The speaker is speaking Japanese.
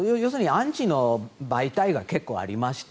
アンチの媒体が結構ありまして。